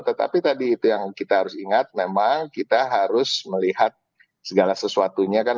tetapi tadi itu yang kita harus ingat memang kita harus melihat segala sesuatunya kan